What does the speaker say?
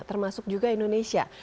termasuk juga indonesia